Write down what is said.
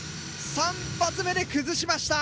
３発目で崩しました。